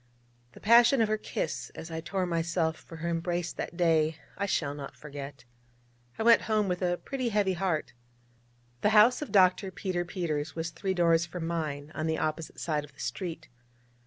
The passion of her kiss as I tore myself from her embrace that day I shall not forget. I went home with a pretty heavy heart. The house of Dr. Peter Peters was three doors from mine, on the opposite side of the street.